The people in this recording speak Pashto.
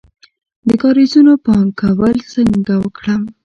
د کاریزونو پاکول څنګه وکړم؟